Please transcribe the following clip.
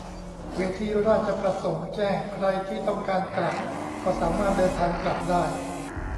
เวทีราชประสงค์แจ้งใครที่ต้องการกลับก็สามารถเดินทางกลับได้